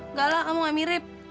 enggak lah kamu gak mirip